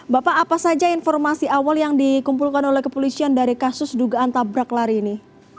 bapak apa saja informasi awal yang dikumpulkan oleh kepolisian dari kasus dugaan tabrak lari ini